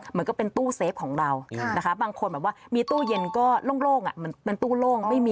เหมือนกับเป็นตู้เซฟของเรานะคะบางคนแบบว่ามีตู้เย็นก็โล่งมันตู้โล่งไม่มี